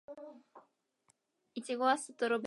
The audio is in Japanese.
いちごはストベリー味